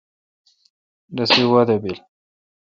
رسی وادہ بیل۔